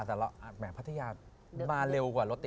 แต่แหม่พัทยามาเร็วกว่ารถติด